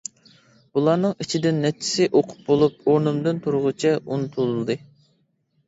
بۇلارنىڭ ئىچىدىن نەچچىسى ئوقۇپ بولۇپ ئورنۇمدىن تۇرغۇچە ئۇنتۇلدى.